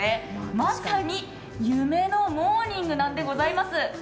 まさに夢のモーニングなんでございます。